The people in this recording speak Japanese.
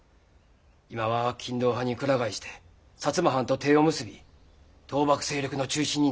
今は勤皇派に鞍替えして摩藩と手を結び倒幕勢力の中心になってます。